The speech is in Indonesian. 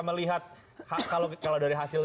melihat kalau dari hasil